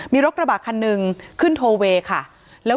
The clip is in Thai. มีรถกระบะคันหนึ่งขึ้นโทเวย์ค่ะแล้ว